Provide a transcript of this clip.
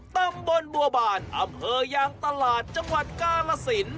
ตำบลบัวบานอำเภอยางตลาดจังหวัดกาลสิน